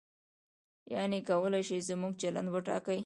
یعنې کولای شي زموږ چلند وټاکي.